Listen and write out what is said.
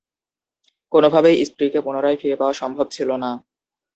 কোনভাবেই স্ত্রীকে পুনরায় ফিরে পাওয়া সম্ভব ছিলোনা।